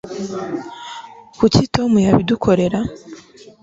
kuki tom yabidukorera